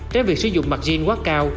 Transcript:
trái việc sử dụng mặc jean quá cao